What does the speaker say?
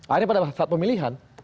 akhirnya pada saat pemilihan